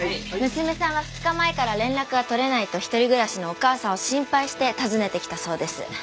娘さんは２日前から連絡が取れないと一人暮らしのお母さんを心配して訪ねてきたそうです。